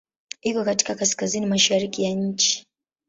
Iko katika kaskazini-mashariki ya nchi.